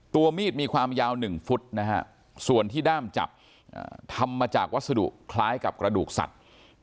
มีดมีความยาว๑ฟุตนะฮะส่วนที่ด้ามจับทำมาจากวัสดุคล้ายกับกระดูกสัตว์